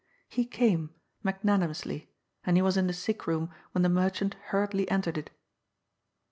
He came, magnani mously, and he was in the sick room when the merchant hurriedly entered it.